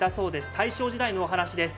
大正時代のお話です。